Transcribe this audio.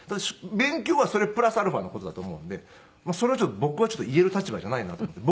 勉強はそれプラスアルファの事だと思うんでそれは僕は言える立場じゃないなと思って。